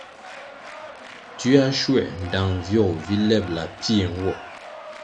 Tioa schuē ndtang vyogo vi lebʼla pfie nwo.